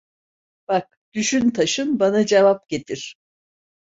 Bak, düşün, taşın, bana cevap getir.